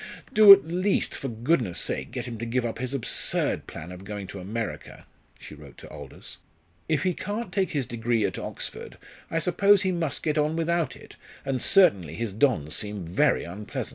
"Do at least, for goodness' sake, get him to give up his absurd plan of going to America!" she wrote to Aldous; "if he can't take his degree at Oxford, I suppose he must get on without it, and certainly his dons seem very unpleasant.